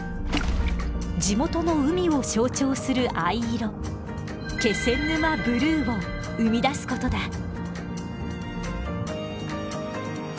地元の海を象徴する藍色気仙沼ブルーを生み出す事だ。